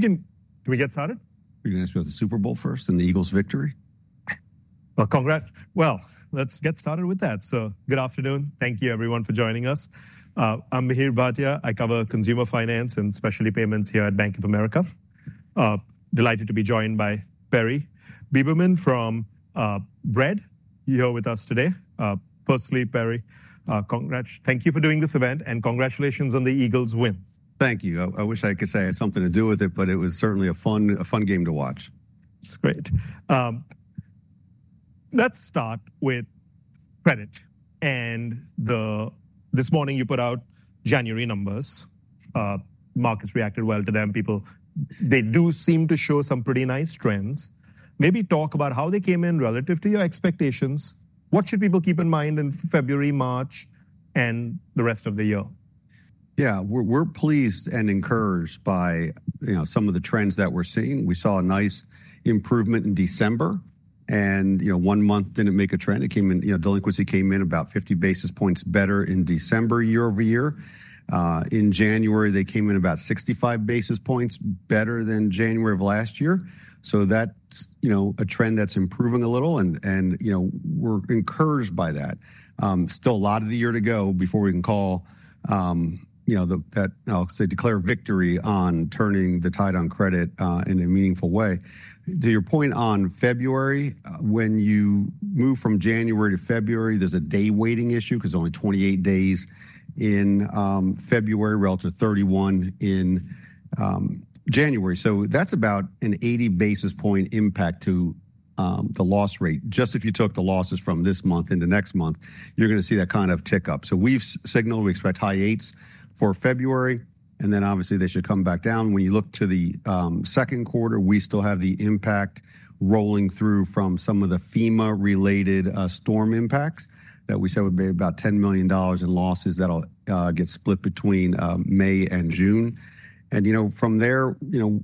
Can we get started? We're going to start with the Super Bowl first and the Eagles' victory. Well congrats! Let's get started with that. Good afternoon. Thank you, everyone, for joining us. I'm Mihir Bhatia. I cover consumer finance and specialty payments here at Bank of America. Delighted to be joined by Perry Beberman from Bread. You're here with us today. Firstly, Perry, congrats. Thank you for doing this event, and congratulations on the Eagles' win. Thank you. I wish I could say I had something to do with it, but it was certainly a fun game to watch. That's great. Let's start with credit. And this morning, you put out January numbers. Markets reacted well to them. People, they do seem to show some pretty nice trends. Maybe talk about how they came in relative to your expectations. What should people keep in mind in February, March, and the rest of the year? Yeah, we're pleased and encouraged by some of the trends that we're seeing. We saw a nice improvement in December. And one month didn't make a trend. It came in, delinquency came in about 50 basis points better in December, year-over-year. In January, they came in about 65 basis points better than January of last year. So that's a trend that's improving a little, and we're encouraged by that. Still a lot of the year to go before we can call that, I'll say, declare victory on turning the tide on credit in a meaningful way. To your point on February, when you move from January-February, there's a day weighting issue because there's only 28 days in February, relative to 31 in January. So that's about an 80 basis point impact to the loss rate. Just if you took the losses from this month into next month, you're going to see that kind of tick up. So we've signaled we expect high eights for February, and then obviously they should come back down. When you look to the second quarter, we still have the impact rolling through from some of the FEMA-related storm impacts that we said would be about $10 million in losses that'll get split between May and June. And from there,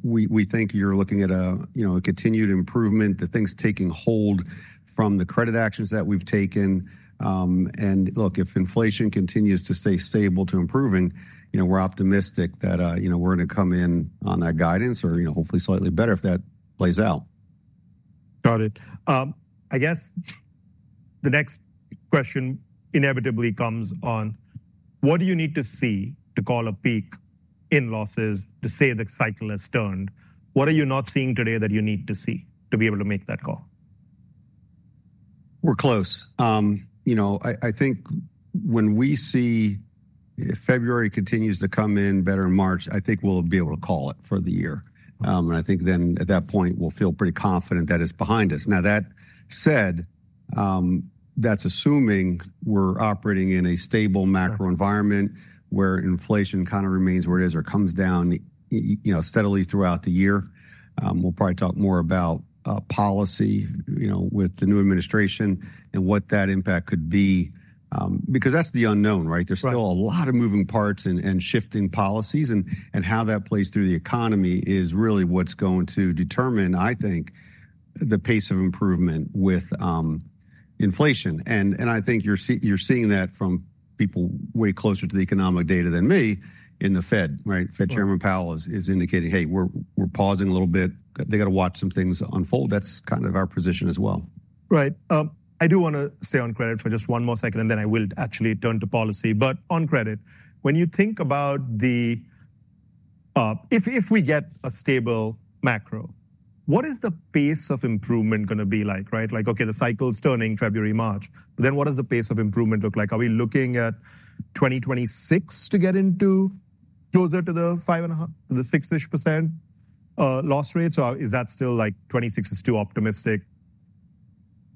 we think you're looking at a continued improvement, the things taking hold from the credit actions that we've taken. And look, if inflation continues to stay stable to improving, we're optimistic that we're going to come in on that guidance, or hopefully slightly better if that plays out. Got it. I guess the next question inevitably comes on what do you need to see to call a peak in losses to say the cycle has turned? What are you not seeing today that you need to see to be able to make that call? We're close. I think when we see if February continues to come in better in March, I think we'll be able to call it for the year. And I think then at that point, we'll feel pretty confident that it's behind us. Now, that said, that's assuming we're operating in a stable macro environment where inflation kind of remains where it is or comes down steadily throughout the year. We'll probably talk more about policy with the new administration and what that impact could be, because that's the unknown, right? There's still a lot of moving parts and shifting policies, and how that plays through the economy is really what's going to determine, I think, the pace of improvement with inflation. And I think you're seeing that from people way closer to the economic data than me in the Fed, right? Fed Chairman Powell is indicating, hey, we're pausing a little bit. They got to watch some things unfold. That's kind of our position as well. Right. I do want to stay on credit for just one more second, and then I will actually turn to policy. But on credit, when you think about the—if we get a stable macro, what is the pace of improvement going to be like, right? Like, okay, the cycle's turning February, March, but then what does the pace of improvement look like? Are we looking at 2026 to get into closer to the 5.5%, the 6%-ish loss rates? Or is that still like 2026 is too optimistic?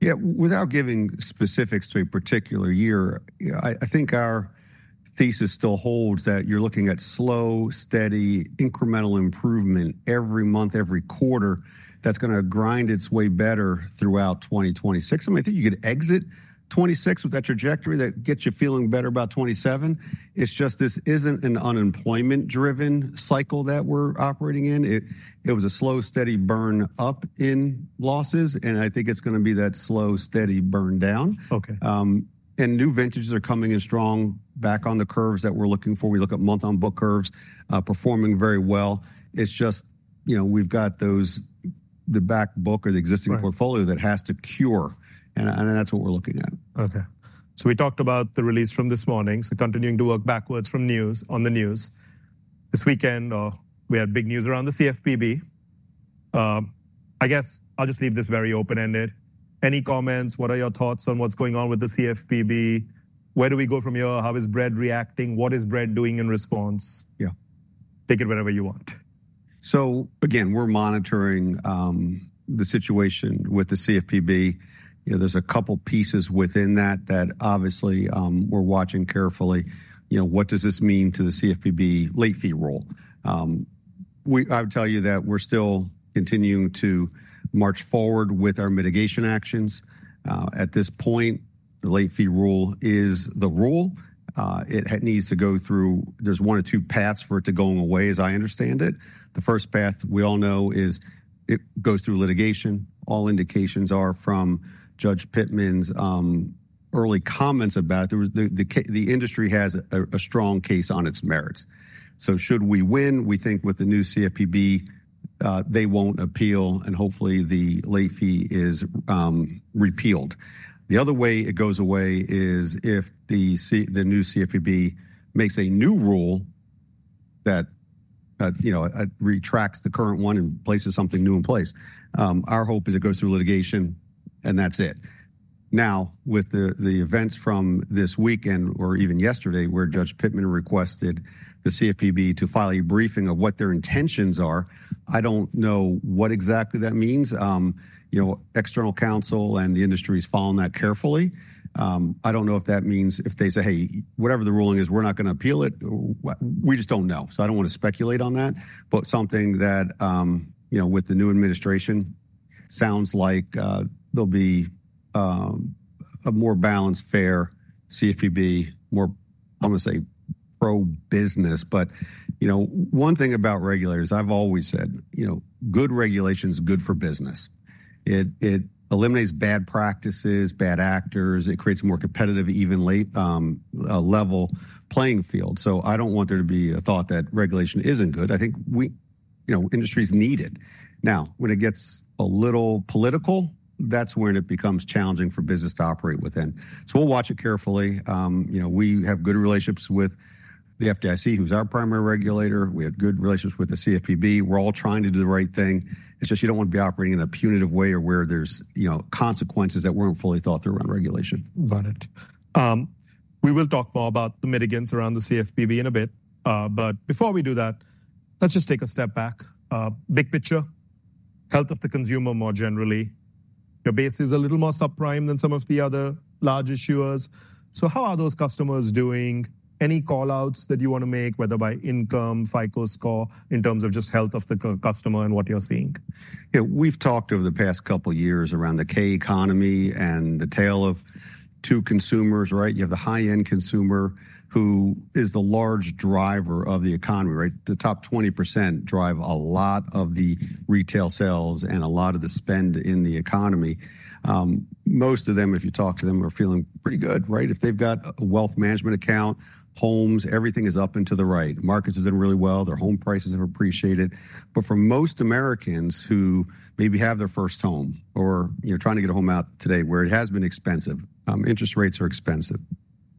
Yeah, without giving specifics to a particular year, I think our thesis still holds that you're looking at slow, steady, incremental improvement every month, every quarter that's going to grind its way better throughout 2026. I mean, I think you could exit 2026 with that trajectory that gets you feeling better about 2027. It's just this isn't an unemployment-driven cycle that we're operating in. It was a slow, steady burn up in losses, and I think it's going to be that slow, steady burn down, and new vintages are coming in strong back on the curves that we're looking for. We look at month-on-book curves performing very well. It's just we've got the back book or the existing portfolio that has to cure, and that's what we're looking at. Okay. So we talked about the release from this morning, so continuing to work backwards from news on the news. This weekend, we had big news around the CFPB. I guess I'll just leave this very open-ended. Any comments? What are your thoughts on what's going on with the CFPB? Where do we go from here? How is Bread reacting? What is Bread doing in response? Yeah, take it wherever you want. So again, we're monitoring the situation with the CFPB. There's a couple of pieces within that that obviously we're watching carefully. What does this mean to the CFPB late fee rule? I would tell you that we're still continuing to march forward with our mitigation actions. At this point, the late fee rule is the rule. It needs to go through. There's one or two paths for it to go away, as I understand it. The first path we all know is it goes through litigation. All indications are from Judge Pittman's early comments about it. The industry has a strong case on its merits. So should we win, we think with the new CFPB, they won't appeal, and hopefully the late fee is repealed. The other way it goes away is if the new CFPB makes a new rule that retracts the current one and places something new in place. Our hope is it goes through litigation, and that's it. Now, with the events from this weekend or even yesterday, where Judge Pittman requested the CFPB to file a briefing of what their intentions are, I don't know what exactly that means. External counsel and the industry is following that carefully. I don't know if that means if they say, "Hey, whatever the ruling is, we're not going to appeal it." We just don't know. So I don't want to speculate on that, but something that with the new administration sounds like there'll be a more balanced, fair CFPB, more. I'm going to say pro-business. One thing about regulators. I've always said good regulation is good for business. It eliminates bad practices, bad actors. It creates a more competitive, even level playing field. So I don't want there to be a thought that regulation isn't good. I think industries need it. Now, when it gets a little political, that's when it becomes challenging for business to operate within. So we'll watch it carefully. We have good relationships with the FDIC, who's our primary regulator. We have good relationships with the CFPB. We're all trying to do the right thing. It's just you don't want to be operating in a punitive way or where there's consequences that weren't fully thought through around regulation. Got it. We will talk more about the mitigants around the CFPB in a bit. But before we do that, let's just take a step back. Big picture, health of the consumer more generally. Your base is a little more subprime than some of the other large issuers. So how are those customers doing? Any callouts that you want to make, whether by income, FICO score, in terms of just health of the customer and what you're seeing? Yeah, we've talked over the past couple of years around the K-economy and the tale of two consumers, right? You have the high-end consumer who is the large driver of the economy, right? The top 20% drive a lot of the retail sales and a lot of the spend in the economy. Most of them, if you talk to them, are feeling pretty good, right? If they've got a wealth management account, homes, everything is up and to the right. Markets have done really well. Their home prices have appreciated. But for most Americans who maybe have their first home or trying to get a home out today, where it has been expensive, interest rates are expensive.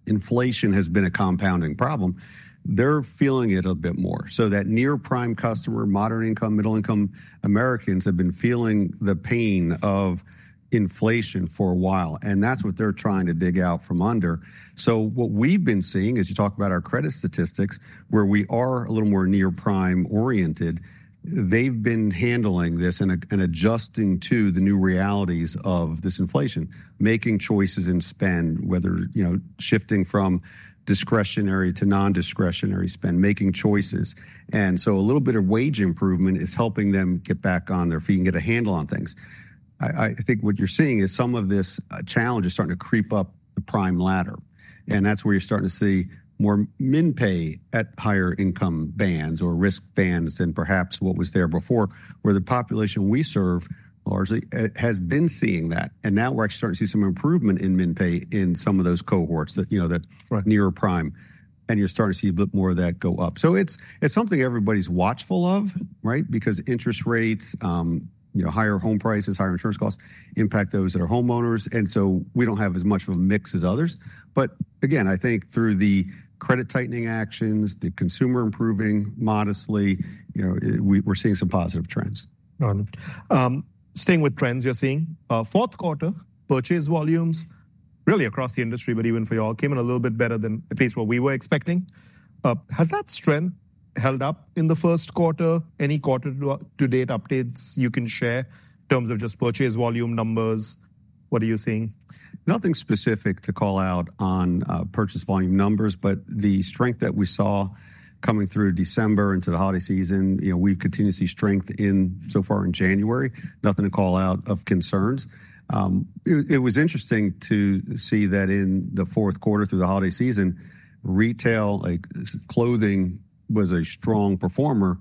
Inflation has been a compounding problem. They're feeling it a bit more. So, that near-prime customer, moderate-income, middle-income Americans have been feeling the pain of inflation for a while, and that's what they're trying to dig out from under. So, what we've been seeing is you talk about our credit statistics, where we are a little more near-prime oriented. They've been handling this and adjusting to the new realities of this inflation, making choices in spend, whether shifting from discretionary to non-discretionary spend, making choices. And so a little bit of wage improvement is helping them get back on their feet and get a handle on things. I think what you're seeing is some of this challenge is starting to creep up the prime ladder, and that's where you're starting to see more min pay at higher-income bands or risk bands than perhaps what was there before, where the population we serve largely has been seeing that. And now we're actually starting to see some improvement in min pay in some of those cohorts that are near prime, and you're starting to see a bit more of that go up. So it's something everybody's watchful of, right? Because interest rates, higher home prices, higher insurance costs impact those that are homeowners. And so we don't have as much of a mix as others. But again, I think through the credit tightening actions, the consumer improving modestly, we're seeing some positive trends. Got it. Staying with trends you're seeing, fourth quarter purchase volumes really across the industry, but even for y'all, came in a little bit better than at least what we were expecting. Has that strength held up in the first quarter? Any quarter-to-date updates you can share in terms of just purchase volume numbers? What are you seeing? Nothing specific to call out on purchase volume numbers, but the strength that we saw coming through December into the holiday season, we've continued to see strength so far in January. Nothing to call out of concerns. It was interesting to see that in the fourth quarter through the holiday season, retail, like clothing, was a strong performer.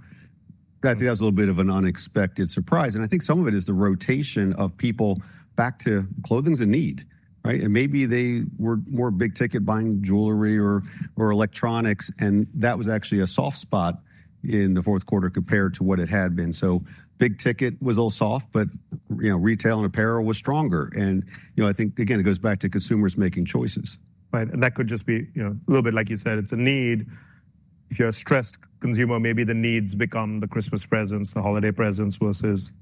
That was a little bit of an unexpected surprise. And I think some of it is the rotation of people back to clothing in need, right? And maybe they were more big ticket buying jewelry or electronics, and that was actually a soft spot in the fourth quarter compared to what it had been. So big ticket was a little soft, but retail and apparel was stronger. And I think, again, it goes back to consumers making choices. Right, and that could just be a little bit like you said. It's a need. If you're a stressed consumer, maybe the needs become the Christmas presents, the holiday presents versus.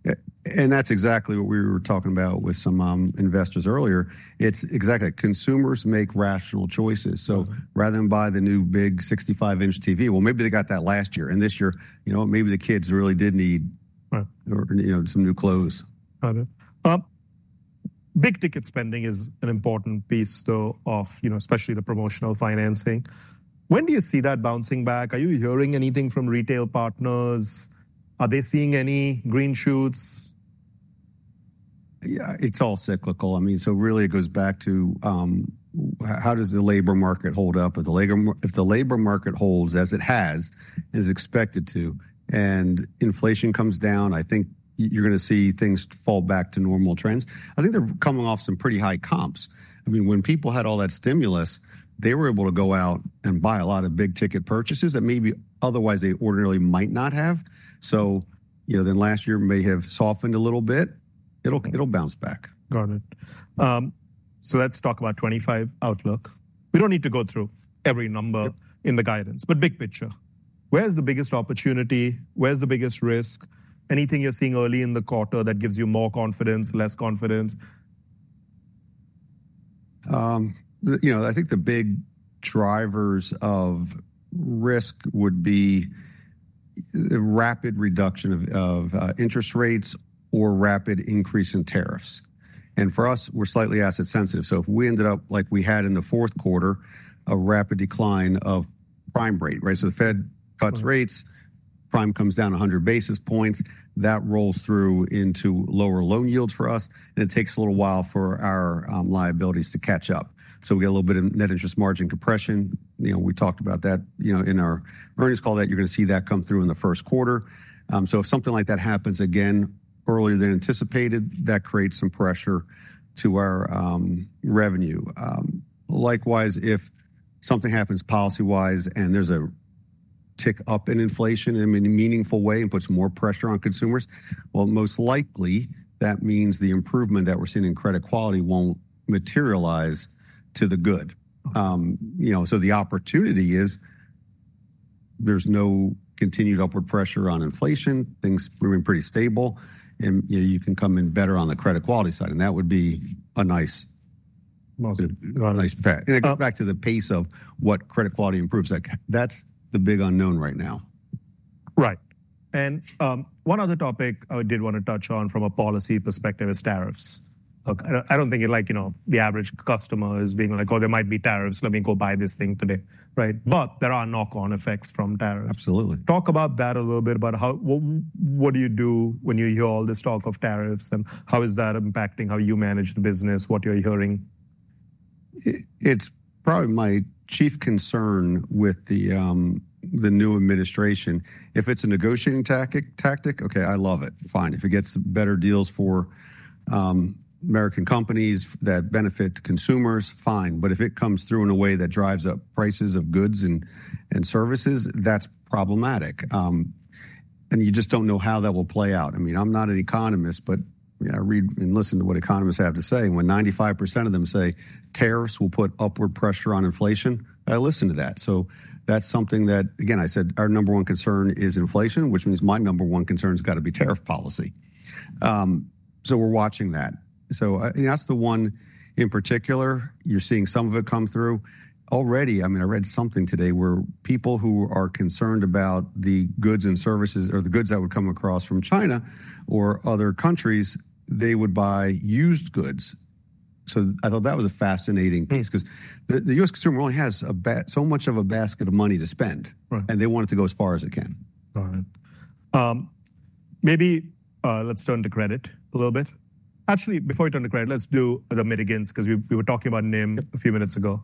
That's exactly what we were talking about with some investors earlier. It's exactly that consumers make rational choices. Rather than buy the new big 65-in TV, well, maybe they got that last year. This year, maybe the kids really did need some new clothes. Got it. Big-ticket spending is an important piece, though, of especially the promotional financing. When do you see that bouncing back? Are you hearing anything from retail partners? Are they seeing any green shoots? Yeah, it's all cyclical. I mean, so really it goes back to how does the labor market hold up? If the labor market holds as it has and is expected to, and inflation comes down, I think you're going to see things fall back to normal trends. I think they're coming off some pretty high comps. I mean, when people had all that stimulus, they were able to go out and buy a lot of big ticket purchases that maybe otherwise they ordinarily might not have. So then last year may have softened a little bit. It'll bounce back. Got it. So let's talk about 2025 outlook. We don't need to go through every number in the guidance, but big picture. Where's the biggest opportunity? Where's the biggest risk? Anything you're seeing early in the quarter that gives you more confidence, less confidence? I think the big drivers of risk would be the rapid reduction of interest rates or rapid increase in tariffs. And for us, we're slightly asset-sensitive. So if we ended up like we had in the fourth quarter, a rapid decline of prime rate, right? So the Fed cuts rates, prime comes down 100 basis points. That rolls through into lower loan yields for us, and it takes a little while for our liabilities to catch up. So we get a little bit of net interest margin compression. We talked about that in our earnings call that you're going to see that come through in the first quarter. So if something like that happens again earlier than anticipated, that creates some pressure to our revenue. Likewise, if something happens policy-wise and there's a tick up in inflation in a meaningful way and puts more pressure on consumers, well, most likely that means the improvement that we're seeing in credit quality won't materialize to the good. So the opportunity is there's no continued upward pressure on inflation. Things are moving pretty stable, and you can come in better on the credit quality side. And that would be a nice path. And it goes back to the pace of what credit quality improves. That's the big unknown right now. Right, and one other topic I did want to touch on from a policy perspective is tariffs. I don't think like the average customer is being like, "Oh, there might be tariffs. Let me go buy this thing today," right, but there are knock-on effects from tariffs. Absolutely. Talk about that a little bit. What do you do when you hear all this talk of tariffs, and how is that impacting how you manage the business, what you're hearing? It's probably my chief concern with the new administration. If it's a negotiating tactic, okay, I love it. Fine. If it gets better deals for American companies that benefit consumers, fine. But if it comes through in a way that drives up prices of goods and services, that's problematic. And you just don't know how that will play out. I mean, I'm not an economist, but I read and listen to what economists have to say. When 95% of them say tariffs will put upward pressure on inflation, I listen to that. So that's something that, again, I said our number one concern is inflation, which means my number one concern has got to be tariff policy. So we're watching that. So that's the one in particular. You're seeing some of it come through already. I mean, I read something today where people who are concerned about the goods and services or the goods that would come across from China or other countries, they would buy used goods. So I thought that was a fascinating piece because the U.S. consumer only has so much of a basket of money to spend, and they want it to go as far as it can. Got it. Maybe let's turn to credit a little bit. Actually, before we turn to credit, let's do the mitigants because we were talking about NIM a few minutes ago.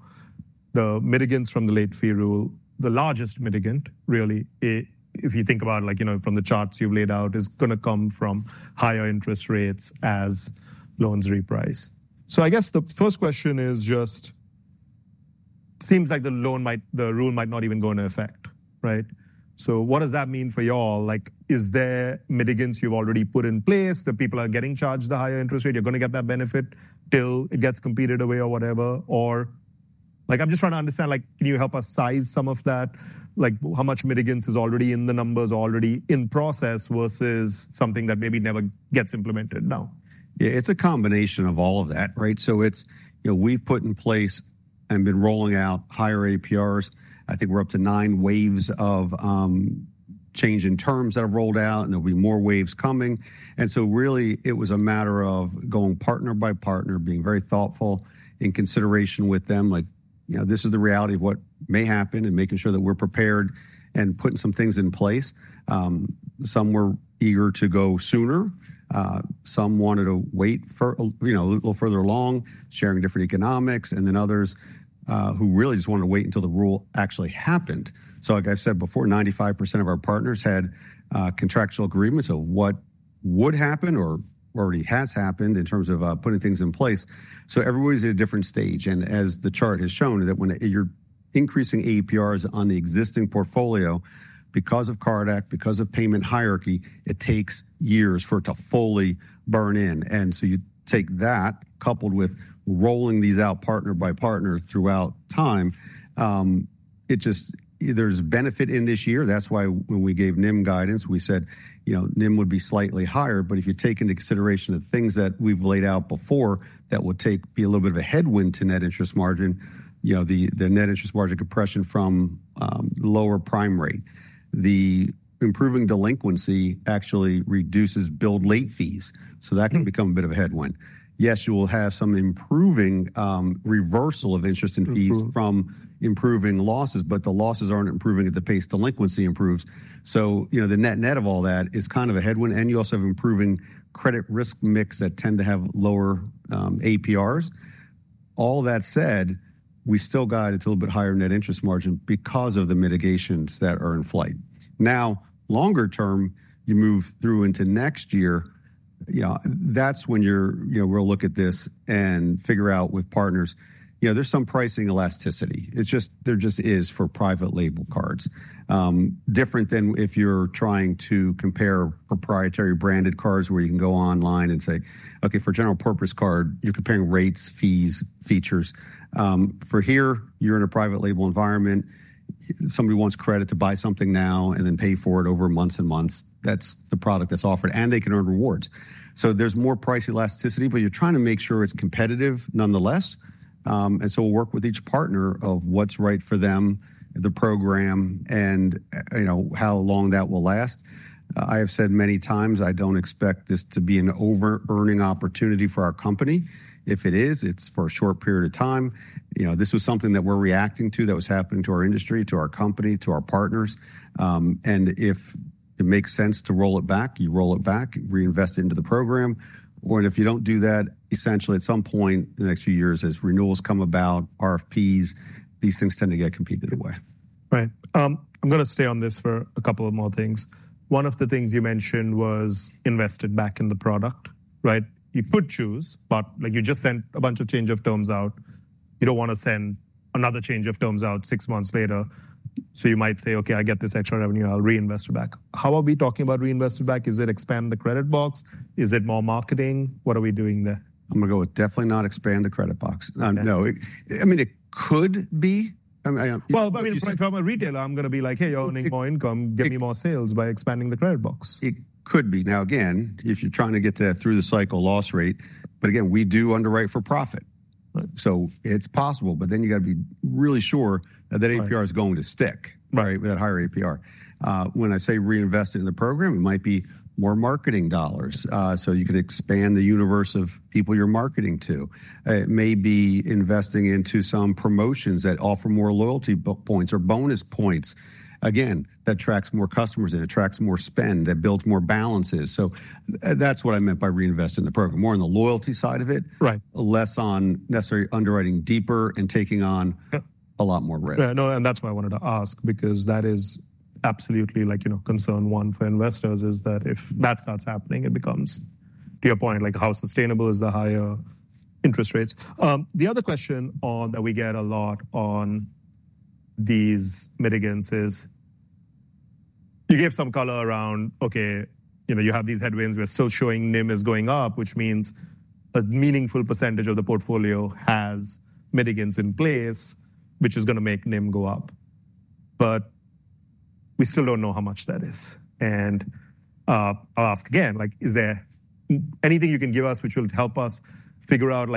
The mitigants from the late fee rule, the largest mitigant, really, if you think about it from the charts you've laid out, is going to come from higher interest rates as loans reprice. So I guess the first question is just, it seems like the rule might not even go into effect, right? So what does that mean for y'all? Is there mitigants you've already put in place that people are getting charged the higher interest rate? You're going to get that benefit till it gets competed away or whatever? Or I'm just trying to understand, can you help us size some of that? How much mitigants is already in the numbers, already in process versus something that maybe never gets implemented now? Yeah, it's a combination of all of that, right? So we've put in place and been rolling out higher APRs. I think we're up to nine waves of change in terms that have rolled out, and there'll be more waves coming. And so really, it was a matter of going partner by partner, being very thoughtful in consideration with them. This is the reality of what may happen and making sure that we're prepared and putting some things in place. Some were eager to go sooner. Some wanted to wait a little further along, sharing different economics, and then others who really just wanted to wait until the rule actually happened. So like I've said before, 95% of our partners had contractual agreements of what would happen or already has happened in terms of putting things in place. So everybody's at a different stage. As the chart has shown, that when you're increasing APRs on the existing portfolio, because of the CARD Act, because of payment hierarchy, it takes years for it to fully burn in. So you take that coupled with rolling these out partner by partner throughout time. There's benefit in this year. That's why when we gave NIM guidance, we said NIM would be slightly higher. But if you take into consideration the things that we've laid out before, that will be a little bit of a headwind to net interest margin, the net interest margin compression from lower prime rate. The improving delinquency actually reduces billed late fees. So that can become a bit of a headwind. Yes, you will have some improving reversal of interest and fees from improving losses, but the losses aren't improving at the pace delinquency improves. So the net-net of all that is kind of a headwind. And you also have improving credit risk mix that tend to have lower APRs. All that said, we still got. It's a little bit higher net interest margin because of the mitigations that are in flight. Now, longer term, you move through into next year, that's when we'll look at this and figure out with partners. There's some pricing elasticity. There just is for private label cards. Different than if you're trying to compare proprietary branded cards where you can go online and say, "Okay, for general purpose card, you're comparing rates, fees, features." For here, you're in a private label environment. Somebody wants credit to buy something now and then pay for it over months and months. That's the product that's offered, and they can earn rewards. So there's more price elasticity, but you're trying to make sure it's competitive nonetheless. And so we'll work with each partner of what's right for them, the program, and how long that will last. I have said many times, I don't expect this to be an over-earning opportunity for our company. If it is, it's for a short period of time. This was something that we're reacting to that was happening to our industry, to our company, to our partners. And if it makes sense to roll it back, you roll it back, reinvest into the program. And if you don't do that, essentially at some point in the next few years, as renewals come about, RFPs, these things tend to get competed away. Right. I'm going to stay on this for a couple of more things. One of the things you mentioned was invested back in the product, right? You could choose, but you just sent a bunch of change of terms out. You don't want to send another change of terms out six months later. So you might say, "Okay, I get this extra revenue. I'll reinvest it back." How are we talking about reinvested back? Is it expand the credit box? Is it more marketing? What are we doing there? I'm going to go with definitely not expand the buy box. No. I mean, it could be. But when you're talking about a retailer, I'm going to be like, "Hey, you're earning more income. Give me more sales by expanding the buy box. It could be. Now, again, if you're trying to get through the cycle loss rate, but again, we do underwrite for profit. So it's possible, but then you got to be really sure that that APR is going to stick, right, with that higher APR. When I say reinvested in the program, it might be more marketing dollars. So you can expand the universe of people you're marketing to. It may be investing into some promotions that offer more loyalty points or bonus points. Again, that attracts more customers and attracts more spend that builds more balances. So that's what I meant by reinvest in the program. More on the loyalty side of it, less on necessarily underwriting deeper and taking on a lot more risk. Yeah. No, and that's why I wanted to ask because that is absolutely like concern one for investors is that if that starts happening, it becomes, to your point, like how sustainable is the higher interest rates. The other question that we get a lot on these mitigants is you gave some color around, okay, you have these headwinds. We're still showing NIM is going up, which means a meaningful percentage of the portfolio has mitigants in place, which is going to make NIM go up. But we still don't know how much that is. And I'll ask again, is there anything you can give us which will help us figure out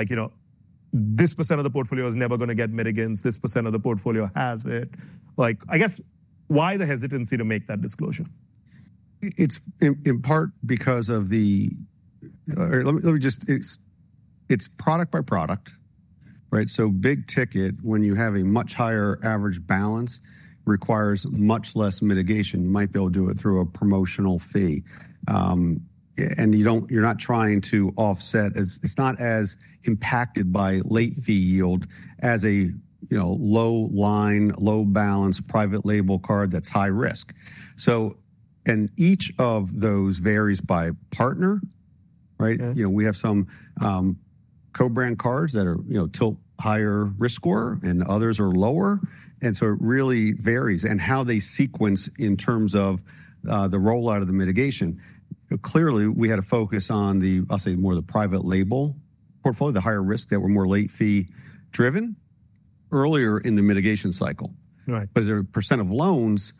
this percent of the portfolio is never going to get mitigants, this percent of the portfolio has it? I guess why the hesitancy to make that disclosure? It's in part because of the, let me just, it's product by product, right, so big ticket, when you have a much higher average balance, requires much less mitigation. You might be able to do it through a promotional fee, and you're not trying to offset, it's not as impacted by late fee yield as a low-line, low-balance private label card that's high risk, and each of those varies by partner, right? We have some co-brand cards that are tilt higher risk score and others are lower, and so it really varies, and how they sequence in terms of the rollout of the mitigation. Clearly, we had a focus on the, I'll say more the private label portfolio, the higher risk that were more late fee driven earlier in the mitigation cycle, but as a percent of loans,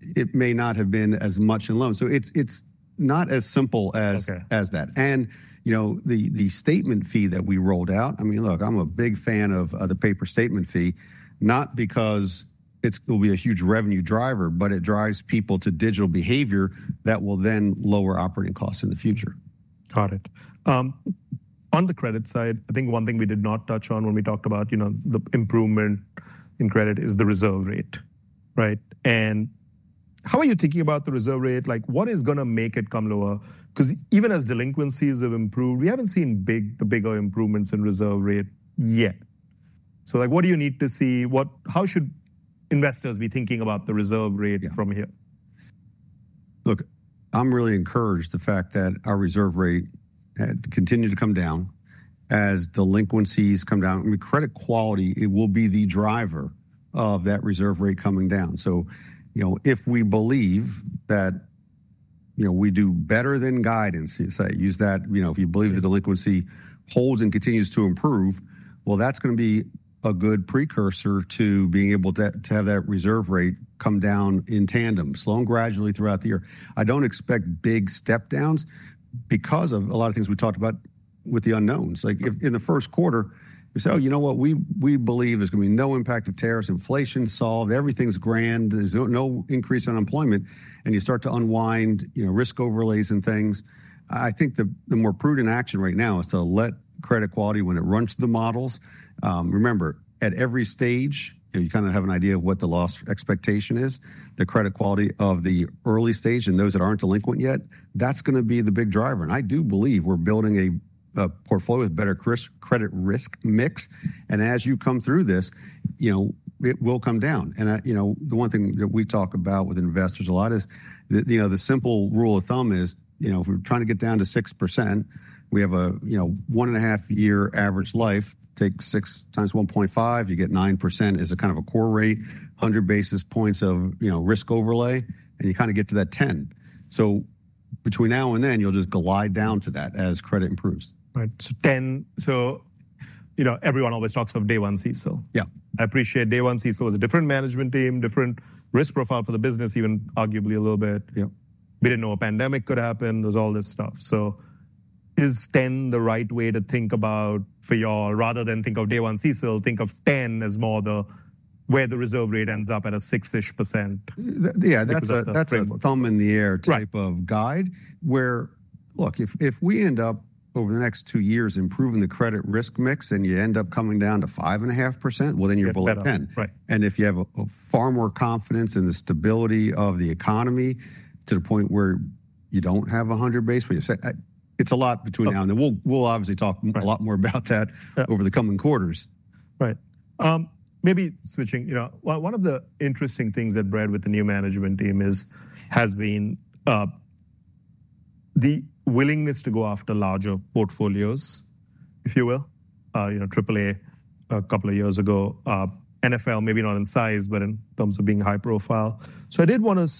it may not have been as much in loans. So it's not as simple as that. And the statement fee that we rolled out, I mean, look, I'm a big fan of the paper statement fee, not because it will be a huge revenue driver, but it drives people to digital behavior that will then lower operating costs in the future. Got it. On the credit side, I think one thing we did not touch on when we talked about the improvement in credit is the reserve rate, right? And how are you thinking about the reserve rate? What is going to make it come lower? Because even as delinquencies have improved, we haven't seen the bigger improvements in reserve rate yet. So what do you need to see? How should investors be thinking about the reserve rate from here? Look, I'm really encouraged the fact that our reserve rate had continued to come down as delinquencies come down. I mean, credit quality, it will be the driver of that reserve rate coming down. So if we believe that we do better than guidance, use that, if you believe the delinquency holds and continues to improve, well, that's going to be a good precursor to being able to have that reserve rate come down in tandem, slow and gradually throughout the year. I don't expect big step-downs because of a lot of things we talked about with the unknowns. In the first quarter, we said, "Oh, you know what? We believe there's going to be no impact of tariffs. Inflation's solved. Everything's grand. There's no increase in unemployment," and you start to unwind risk overlays and things. I think the more prudent action right now is to let credit quality, when it runs through the models, remember, at every stage, you kind of have an idea of what the loss expectation is. The credit quality of the early stage and those that aren't delinquent yet, that's going to be the big driver. And I do believe we're building a portfolio with better credit risk mix. And as you come through this, it will come down. And the one thing that we talk about with investors a lot is the simple rule of thumb is if we're trying to get down to 6%, we have a one and a half year average life. Take 6% x 1.5, you get 9% is a kind of a core rate, 100 basis points of risk overlay, and you kind of get to that 10%. So between now and then, you'll just glide down to that as credit improves. Right. So 10%, so everyone always talks of day one CECL. I appreciate day one CECL was a different management team, different risk profile for the business, even arguably a little bit. We didn't know a pandemic could happen. There's all this stuff. So is 10% the right way to think about for y'all rather than think of day one CECL, think of 10% as more the where the reserve rate ends up at a 6-ish%? Yeah, that's a thumb in the air type of guide. Where, look, if we end up over the next two years improving the credit risk mix and you end up coming down to 5.5%, well, then you're below 10%. And if you have far more confidence in the stability of the economy to the point where you don't have 100 basis points, it's a lot between now and then. We'll obviously talk a lot more about that over the coming quarters. Right. Maybe switching. One of the interesting things that Bread with the new management team has been the willingness to go after larger portfolios, if you will, AAA a couple of years ago, NFL, maybe not in size, but in terms of being high profile. So I did want to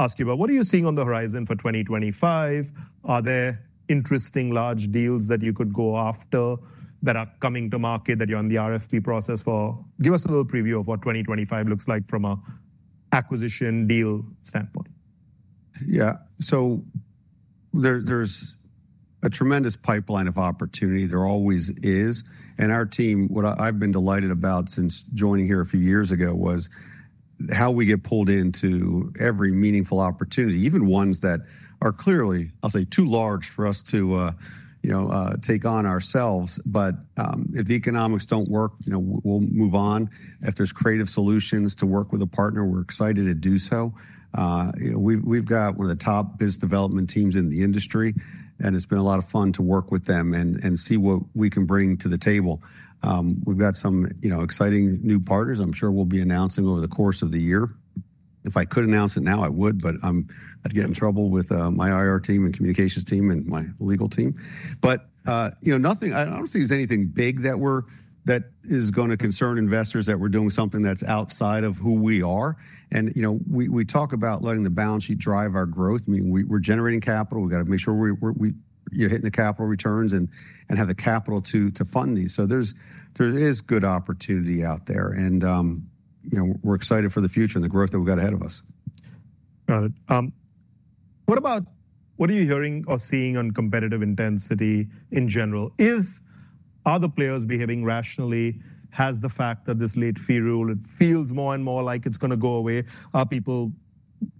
ask you about what are you seeing on the horizon for 2025? Are there interesting large deals that you could go after that are coming to market that you're in the RFP process for? Give us a little preview of what 2025 looks like from an acquisition deal standpoint. Yeah. So there's a tremendous pipeline of opportunity. There always is. And our team, what I've been delighted about since joining here a few years ago was how we get pulled into every meaningful opportunity, even ones that are clearly, I'll say, too large for us to take on ourselves. But if the economics don't work, we'll move on. If there's creative solutions to work with a partner, we're excited to do so. We've got one of the top business development teams in the industry, and it's been a lot of fun to work with them and see what we can bring to the table. We've got some exciting new partners. I'm sure we'll be announcing over the course of the year. If I could announce it now, I would, but I'd get in trouble with my IR team and communications team and my legal team. But I don't think there's anything big that is going to concern investors that we're doing something that's outside of who we are. And we talk about letting the balance sheet drive our growth. I mean, we're generating capital. We've got to make sure we're hitting the capital returns and have the capital to fund these. So there is good opportunity out there. And we're excited for the future and the growth that we've got ahead of us. Got it. What are you hearing or seeing on competitive intensity in general? Are the players behaving rationally? Has the fact that this late fee rule, it feels more and more like it's going to go away?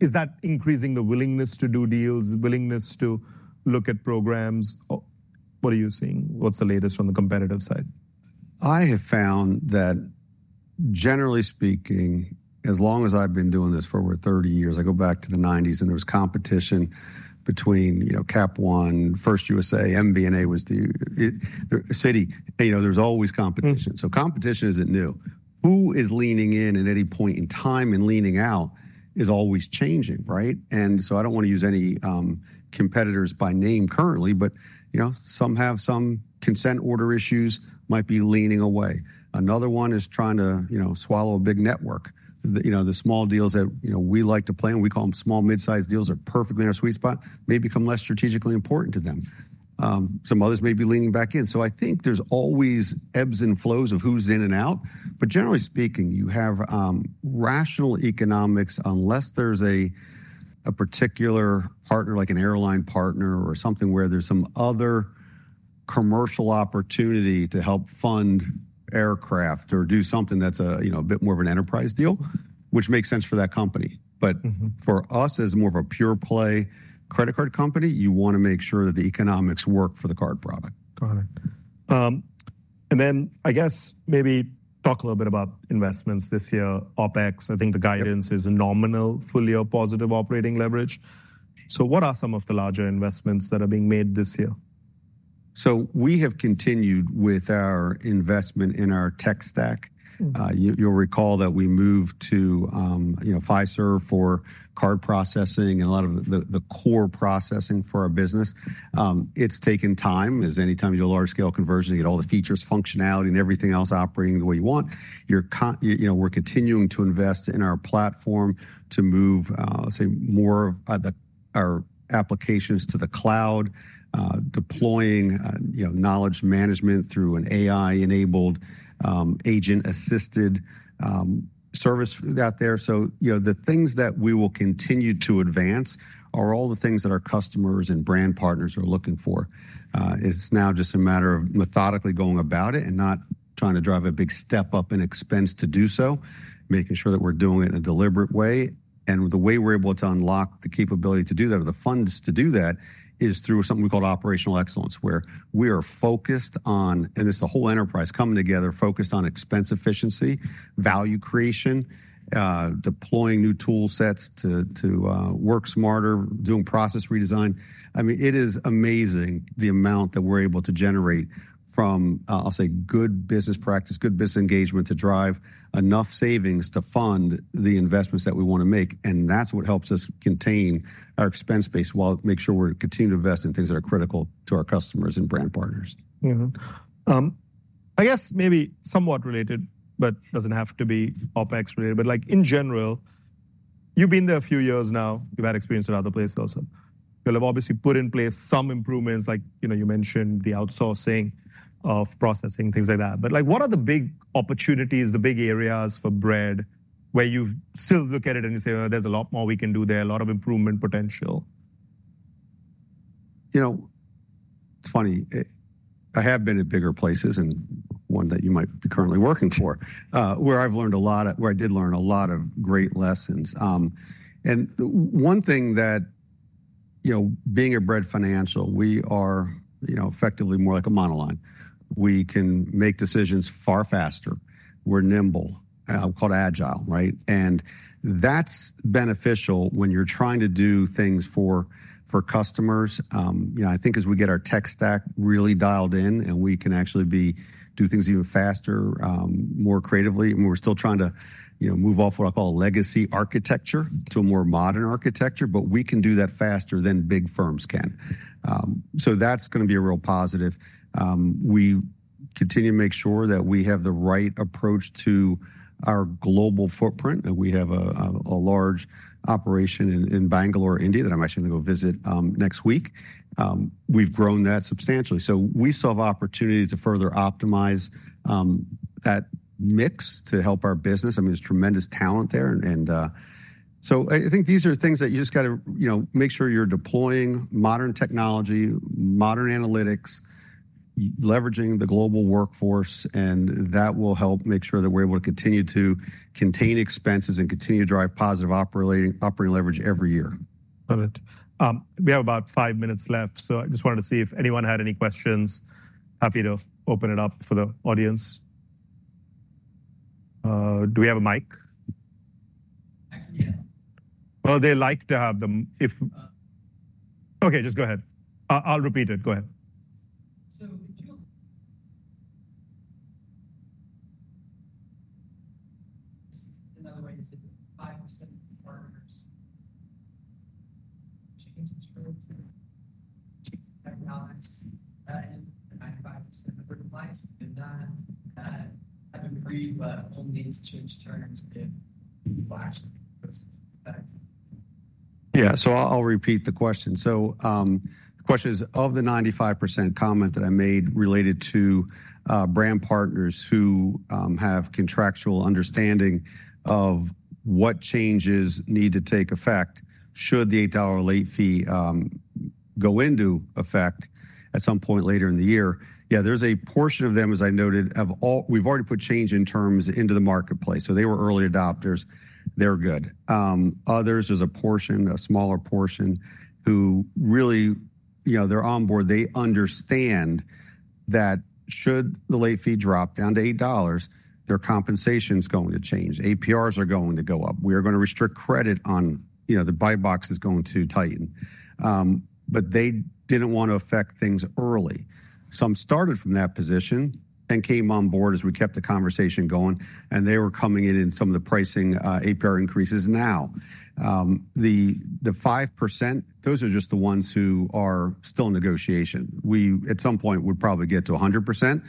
Is that increasing the willingness to do deals, willingness to look at programs? What are you seeing? What's the latest on the competitive side? I have found that, generally speaking, as long as I've been doing this for over 30 years, I go back to the 1990s and there was competition between Cap One, First USA, MBNA, and Citi. There's always competition. So competition isn't new. Who is leaning in at any point in time and leaning out is always changing, right? And so I don't want to use any competitors by name currently, but some have some consent order issues, might be leaning away. Another one is trying to swallow a big network. The small deals that we like to play in, we call them small, mid-sized deals, are perfectly in our sweet spot, may become less strategically important to them. Some others may be leaning back in. So I think there's always ebbs and flows of who's in and out. But generally speaking, you have rational economics unless there's a particular partner, like an airline partner or something where there's some other commercial opportunity to help fund aircraft or do something that's a bit more of an enterprise deal, which makes sense for that company. But for us, as more of a pure play credit card company, you want to make sure that the economics work for the card product. Got it. And then I guess maybe talk a little bit about investments this year, OpEx. I think the guidance is a nominal full year positive operating leverage. So what are some of the larger investments that are being made this year? We have continued with our investment in our tech stack. You'll recall that we moved to Fiserv for card processing and a lot of the core processing for our business. It's taken time, as any time you do a large scale conversion, you get all the features, functionality, and everything else operating the way you want. We're continuing to invest in our platform to move, I'll say, more of our applications to the cloud, deploying knowledge management through an AI-enabled agent-assisted service out there. The things that we will continue to advance are all the things that our customers and brand partners are looking for. It's now just a matter of methodically going about it and not trying to drive a big step-up in expense to do so, making sure that we're doing it in a deliberate way. The way we're able to unlock the capability to do that or the funds to do that is through something we call Operational Excellence, where we are focused on, and this is the whole enterprise coming together, focused on expense efficiency, value creation, deploying new toolsets to work smarter, doing process redesign. I mean, it is amazing the amount that we're able to generate from, I'll say, good business practice, good business engagement to drive enough savings to fund the investments that we want to make. That's what helps us contain our expense base while it makes sure we're continuing to invest in things that are critical to our customers and brand partners. I guess maybe somewhat related, but doesn't have to be OpEx related, but in general, you've been there a few years now. You've had experience in other places also. You'll have obviously put in place some improvements, like you mentioned, the outsourcing of processing, things like that. But what are the big opportunities, the big areas for Bread where you still look at it and you say, "There's a lot more we can do there, a lot of improvement potential"? It's funny. I have been at bigger places and one that you might be currently working for, where I've learned a lot, where I did learn a lot of great lessons. And one thing that being at Bread Financial, we are effectively more like a monoline. We can make decisions far faster. We're nimble. I'll call it agile, right? And that's beneficial when you're trying to do things for customers. I think as we get our tech stack really dialed in and we can actually do things even faster, more creatively, and we're still trying to move off what I call a legacy architecture to a more modern architecture, but we can do that faster than big firms can. So that's going to be a real positive. We continue to make sure that we have the right approach to our global footprint. We have a large operation in Bangalore, India, that I'm actually going to go visit next week. We've grown that substantially. So we saw opportunities to further optimize that mix to help our business. I mean, there's tremendous talent there. And so I think these are things that you just got to make sure you're deploying modern technology, modern analytics, leveraging the global workforce, and that will help make sure that we're able to continue to contain expenses and continue to drive positive operating leverage every year. Got it. We have about five minutes left, so I just wanted to see if anyone had any questions. Happy to open it up for the audience. Do we have a mic? Yeah. They like to have them. Okay, just go ahead. I'll repeat it. Go ahead. Another way to do it, 5% of partners change terms and 95% of replies. And that have agreed, but only to change terms if you actually go into effect. Yeah. So I'll repeat the question. So the question is, of the 95% comment that I made related to brand partners who have contractual understanding of what changes need to take effect, should the $8 late fee go into effect at some point later in the year? Yeah, there's a portion of them, as I noted, we've already put change in terms into the marketplace. So they were early adopters. They're good. Others, there's a portion, a smaller portion who really, they're on board. They understand that should the late fee drop down to $8, their compensation's going to change. APRs are going to go up. We are going to restrict credit on the buy box is going to tighten. But they didn't want to affect things early. Some started from that position and came on board as we kept the conversation going, and they were coming in in some of the pricing APR increases now. The 5%, those are just the ones who are still in negotiation. We, at some point, would probably get to 100%.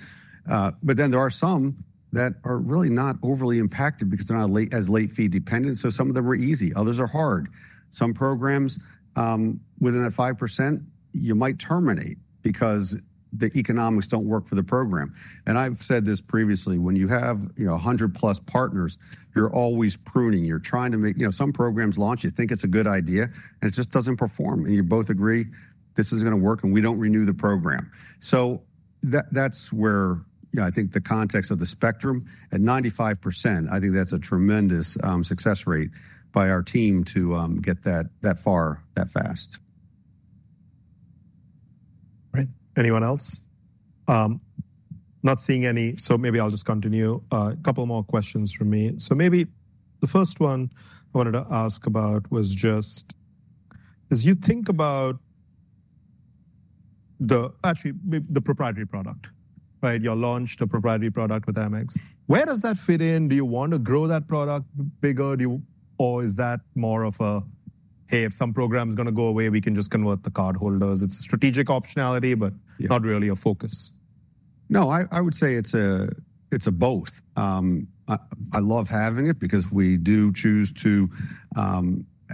But then there are some that are really not overly impacted because they're not as late fee dependent. So some of them are easy. Others are hard. Some programs within that 5%, you might terminate because the economics don't work for the program. And I've said this previously, when you have 100 plus partners, you're always pruning. You're trying to make some programs launch, you think it's a good idea, and it just doesn't perform. And you both agree, this isn't going to work, and we don't renew the program. So that's where I think the context of the spectrum at 95%. I think that's a tremendous success rate by our team to get that far, that fast. Right. Anyone else? Not seeing any, so maybe I'll just continue. A couple more questions from me. So maybe the first one I wanted to ask about was just, as you think about, actually, the proprietary product, right? You launched a proprietary product with Amex. Where does that fit in? Do you want to grow that product bigger? Or is that more of a, hey, if some program's going to go away, we can just convert the cardholders? It's a strategic optionality, but not really a focus. No, I would say it's a both. I love having it because we do choose to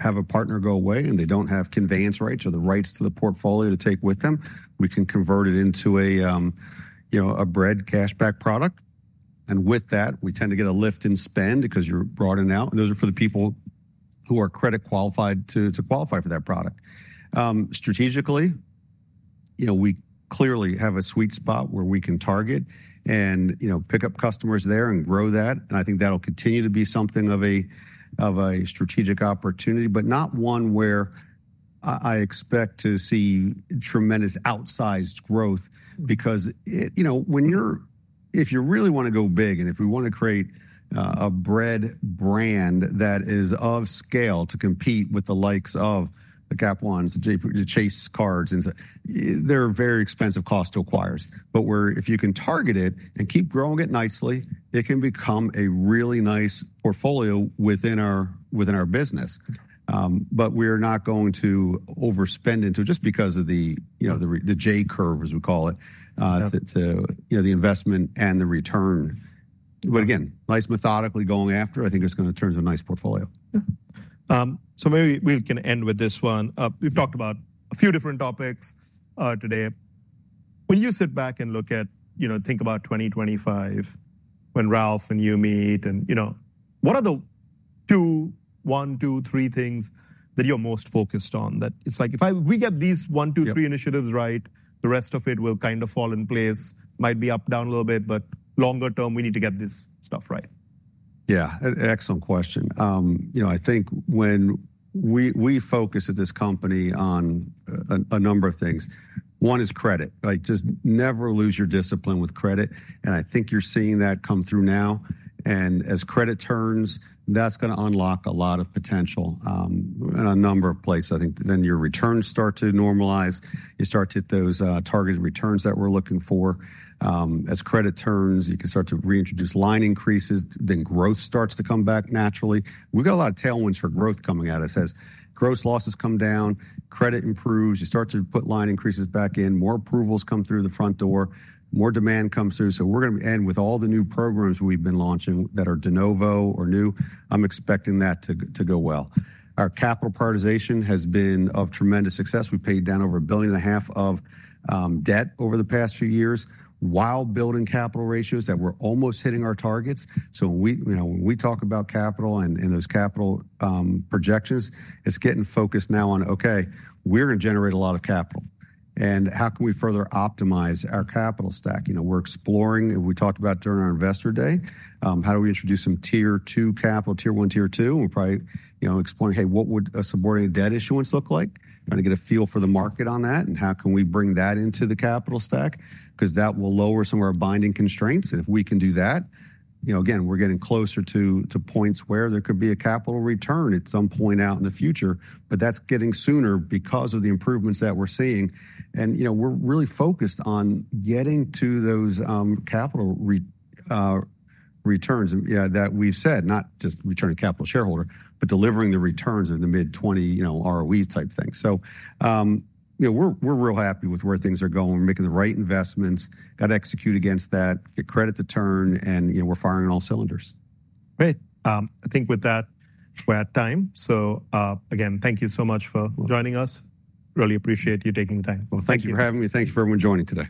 have a partner go away, and they don't have conveyance rights or the rights to the portfolio to take with them. We can convert it into a Bread Cashback product. And with that, we tend to get a lift in spend because you're broadened out. And those are for the people who are credit qualified to qualify for that product. Strategically, we clearly have a sweet spot where we can target and pick up customers there and grow that. And I think that'll continue to be something of a strategic opportunity, but not one where I expect to see tremendous outsized growth because if you really want to go big and if we want to create a Bread brand that is of scale to compete with the likes of the Capital Ones, the Chase cards, and they're a very expensive cost to acquire. But if you can target it and keep growing it nicely, it can become a really nice portfolio within our business. But we are not going to overspend into it just because of the J-curve, as we call it, to the investment and the return. But again, nice methodically going after, I think it's going to turn into a nice portfolio. So maybe we can end with this one. We've talked about a few different topics today. When you sit back and look at, think about 2025, when Ralph and you meet, what are the two, one, two, three things that you're most focused on? That it's like, if we get these one, two, three initiatives right, the rest of it will kind of fall in place. Might be up, down a little bit, but longer term, we need to get this stuff right. Yeah. Excellent question. I think when we focus at this company on a number of things, one is credit. Just never lose your discipline with credit, and I think you're seeing that come through now, and as credit turns, that's going to unlock a lot of potential in a number of places. I think then your returns start to normalize. You start to hit those targeted returns that we're looking for. As credit turns, you can start to reintroduce line increases, then growth starts to come back naturally. We've got a lot of tailwinds for growth coming at us as gross losses come down, credit improves, you start to put line increases back in, more approvals come through the front door, more demand comes through, so we're going to end with all the new programs we've been launching that are de novo or new. I'm expecting that to go well. Our capital prioritization has been of tremendous success. We paid down over $1.5 billion of debt over the past few years while building capital ratios that were almost hitting our targets. So when we talk about capital and those capital projections, it's getting focused now on, okay, we're going to generate a lot of capital. And how can we further optimize our capital stack? We're exploring, we talked about during our Investor Day, how do we introduce some Tier 2 capital, Tier 1, Tier 2, and we're probably exploring, hey, what would a subordinated debt issuance look like? Trying to get a feel for the market on that and how can we bring that into the capital stack because that will lower some of our binding constraints. If we can do that, again, we're getting closer to points where there could be a capital return at some point out in the future, but that's getting sooner because of the improvements that we're seeing. We're really focused on getting to those capital returns that we've said, not just returning capital shareholder, but delivering the returns in the mid-20 ROE type thing. We're real happy with where things are going. We're making the right investments, got to execute against that, get credit to turn, and we're firing on all cylinders. Great. I think with that, we're at time. So again, thank you so much for joining us. Really appreciate you taking the time. Thank you for having me. Thank you for everyone joining today.